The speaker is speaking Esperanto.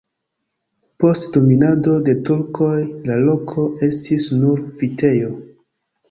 Post dominado de turkoj la loko estis nur vitejo.